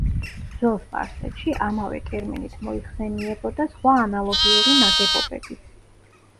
ძველ სპარსეთში ამავე ტერმინით მოიხსენიებოდა სხვა ანალოგიური ნაგებობებიც.